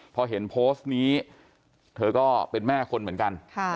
พอเห็นโพสต์นี้เธอก็เป็นแม่คนเหมือนกัน